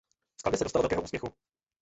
Skladbě se dostalo velkého úspěchu.